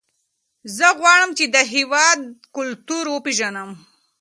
زه غواړم چې د هېواد کلتور وپېژنم.